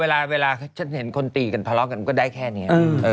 เออเวลาสิ่งที่เราเห็นคนตีกันผลอกกันก็ได้แค่นี้